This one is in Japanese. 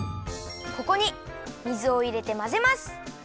ここに水をいれてまぜます。